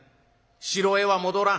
城へは戻らん。